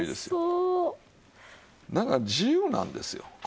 だから自由なんですよ。